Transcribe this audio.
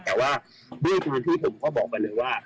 แต่ว่าด้วยความที่ผมก็บอกไปเลยว่า